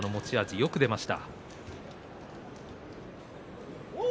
よく出ました。